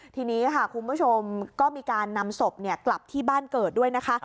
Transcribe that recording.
ทีนี้ค่ะคุณผู้ชมก็มีการนำศพกลับที่บ้านเกิดด้วยนะคะ